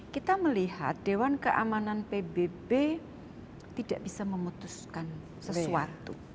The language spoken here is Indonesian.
kita melihat dewan keamanan pbb tidak bisa memutuskan sesuatu